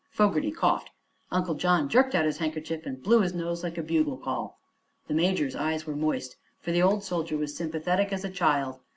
Fogerty coughed. Uncle John jerked out his handkerchief and blew his nose like a bugle call. The major's eyes were moist, for the old soldier was sympathetic as a child.